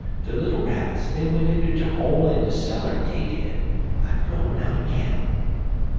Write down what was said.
De little Rabbits dey went inter dere hole in de cellar, dey did, like blowin' out a cannle.